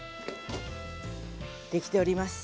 出来ております。